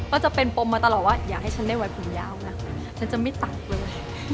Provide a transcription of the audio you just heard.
ก็จะเป็นปมมาตลอดว่าอยากให้ฉันได้ไว้ผมยาวนะฉันจะไม่ตัดเลย